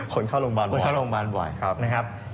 คนเข้าโรงพยาบาลบ่อย